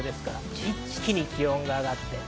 一気に気温が上がって。